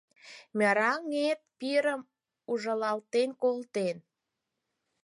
Мераҥет пирым ужылалтен колтен.